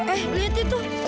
eh lihat itu